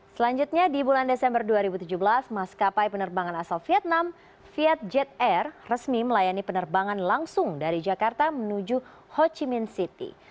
selanjutnya di bulan desember dua ribu tujuh belas maskapai penerbangan asal vietnam vietjet air resmi melayani penerbangan langsung dari jakarta menuju ho chi minh city